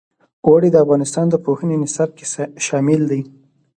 اوړي د افغانستان د پوهنې نصاب کې شامل دي.